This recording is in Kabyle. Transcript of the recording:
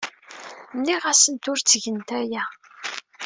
Nniɣ-asent ur ttgent aya.